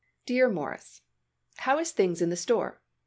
Dear Morris: How is things in the store?